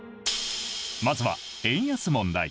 まずは円安問題。